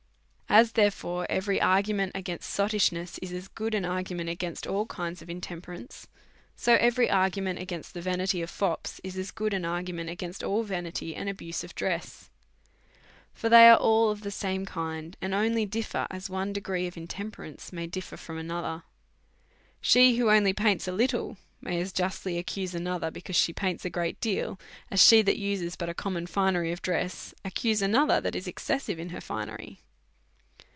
As, therefore, every argument against sottishness is as good an argument against all kinds of intemper ancCj so every argument against the vanity of fops is G 4 88 A SERIOUS CALL TO A as good an argument against all vanity and abuse of dress ; for they are all of the same kind, and only differ as 0!ie degree of intemperance may ditfer from ano ther. She that only paints a little may as justly ac cuse another^ because she paints a great deal ; as she that uses but a common finery of dress, accuses ano th. '' tiiat is excessive in her finery.